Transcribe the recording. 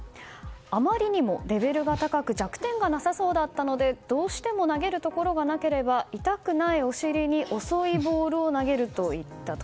あまりにもレベルが高く弱点がなさそうだったのでどうしても投げるところがなければ痛くないお尻に遅いボールを投げると言ったと。